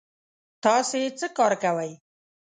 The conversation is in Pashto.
تاسې څه کار کوی؟